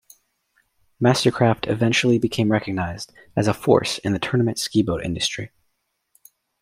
MasterCraft eventually became recognized as a force in the tournament ski boat industry.